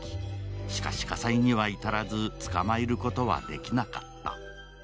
しかし、火災には至らず捕まえることはできなかった。